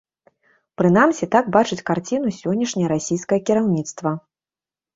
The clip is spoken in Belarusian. Прынамсі так бачыць карціну сённяшняе расійскае кіраўніцтва.